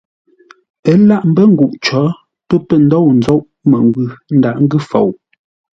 Ə́ láʼ mbə́ nguʼ cǒ, pə́ pə̂ ndôu ńzóʼ məngwʉ̂ ńdaghʼ ńgʉ́ fou.